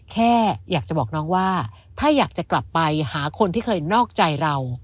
แค่อยากจะบอกน้องว่าถ้าอยากจะกลับไปหาคนที่เคยนอกใจเรา